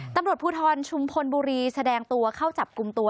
ตำรวจภูทรชุมพลบุรีแสดงตัวเข้าจับกลุ่มตัว